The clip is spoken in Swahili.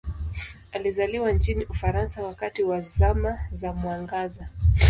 Alizaliwa nchini Ufaransa wakati wa Zama za Mwangaza.